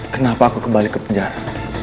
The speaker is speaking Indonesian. kenapa aku kembali ke penjara